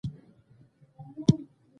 که مزدور شوې